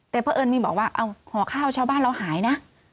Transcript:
แต่เพราะเอิญมีบอกว่าเอาห่อข้าวชาวบ้านเราหายนะ